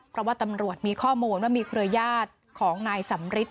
เพราะว่าตำรวจมีข้อมูลว่ามีเครือญาติของนายสำริท